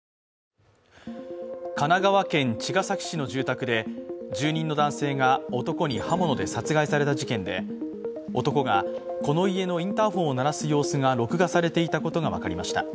神奈川県茅ヶ崎市の住宅で住人の男性が男に刃物で殺害された事件で男がこの家のインターホンを鳴らす様子が録画されていたことが分かりました。